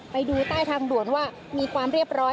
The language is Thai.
ไปดูใต้ทางด่วนว่ามีความเรียบร้อย